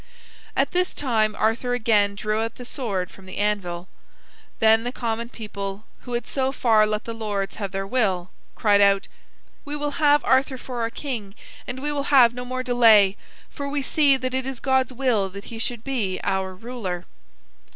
At this time Arthur again drew out the sword from the anvil. Then the common people, who had so far let the lords have their will, cried out: "We will have Arthur for our king, and we will have no more delay, for we see that it is God's will that he shall be our ruler."